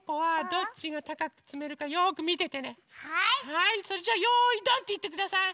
はいそれじゃ「よいドン」っていってください！